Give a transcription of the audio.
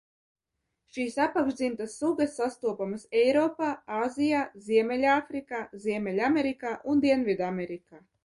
Šīs apakšdzimtas sugas sastopamas Eiropā, Āzijā, Ziemeļāfrikā, Ziemeļamerikā un Dienvidamerikā.